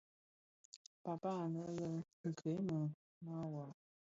Paapaa anë lè Krine mawar.